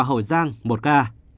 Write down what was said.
hậu giang một ca